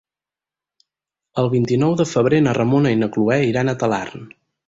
El vint-i-nou de febrer na Ramona i na Cloè iran a Talarn.